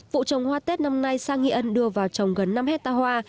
vụ trồng hoa tết năm nay xã nghi ân đưa vào trồng gần năm hecta hoa